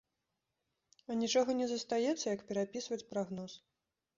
А нічога не застаецца, як перапісваць прагноз.